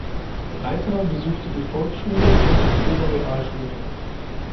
Reiter besuchte die Volksschule und die Oberrealschule.